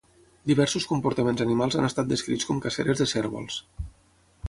Diversos comportaments animals han estat descrits com caceres de cérvols.